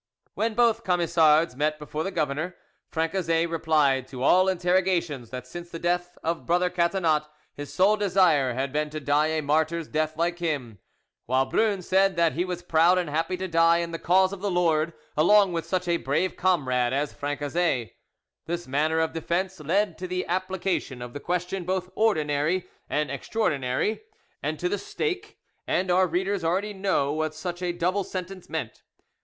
When both Camisards met before the governor, Francezet replied to all interrogations that since the death of brother Catinat his sole desire had been to die a martyr's death like him; while Brun said that he was proud and happy to die in the cause of the Lord along with such a brave comrade as Francezet. This manner of defence led to the application of the question both ordinary and extraordinary, and to the stake; and our readers already know what such a double sentence meant.